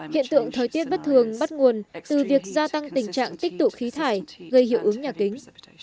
hiện tượng thời tiết bất thường bắt nguồn từ việc gia tăng tình trạng tích tụ khí thải gây hiệu ứng nhà kính